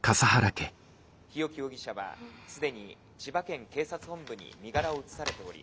日置容疑者は既に千葉県警察本部に身柄を移されており」。